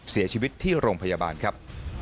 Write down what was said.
เสียชีวิตที่โรงพยาบาลครับ